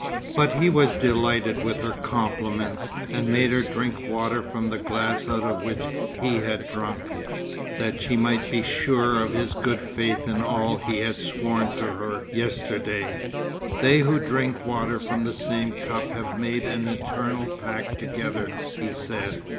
But he was delighted with her compliments, and made her drink water from the glass out of which he had drunk, that she might be sure of his good faith in all he had sworn to her yesterday. "They who drink water from the same cup have made an eternal pact together," he said.